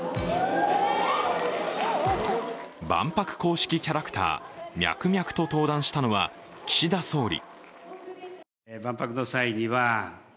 万博公式キャラクターミャクミャクと登壇したのは岸田総理。